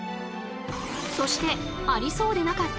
そしてありそうでなかった